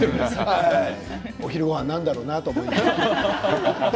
お昼ごはん何だろうなと思いながら。